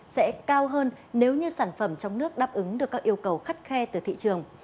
sẽ cao hơn nếu như sản phẩm trong nước đáp ứng được các yêu cầu khắt khe từ thị trường